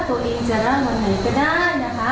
โอ้ย